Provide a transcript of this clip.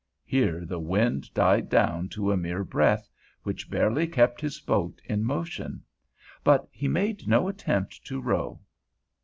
Here the wind died down to a mere breath, which barely kept his boat in motion; but he made no attempt to row.